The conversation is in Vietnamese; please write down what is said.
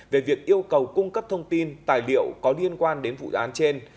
về việc yêu cầu cung cấp thông tin tài liệu có liên quan đến vụ án trên